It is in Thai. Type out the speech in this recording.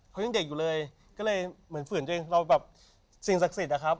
เขายังเด็กอยู่เลยก็เลยเหมือนฝืนตัวเองเราแบบสิ่งศักดิ์สิทธิอะครับ